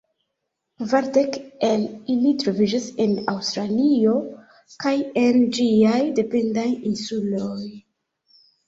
Kvar dek el ili troviĝas en Aŭstralio kaj en ĝiaj dependaj insuloj.